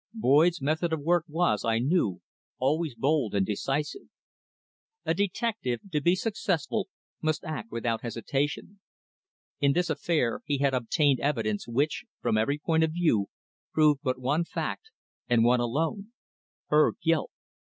Boyd's method of work was, I knew, always bold and decisive. A detective, to be successful, must act without hesitation. In this affair he had obtained evidence which, from every point of view, proved but one fact, and one alone her guilt.